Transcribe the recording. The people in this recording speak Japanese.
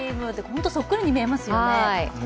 本当そっくりに見えますよね。